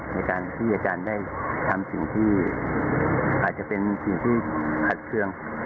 ในการที่อาจารย์ได้ทำสิ่งที่อาจจะเป็นสิ่งที่ขัดเครื่อง